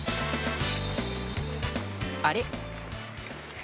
あれ？